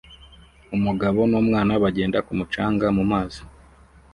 Umugabo n'umwana bagenda ku mucanga mumazi